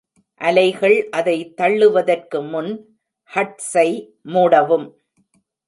அலைகள் அதை தள்ளுவதற்கு முன் ஹட்சை மூடவும்.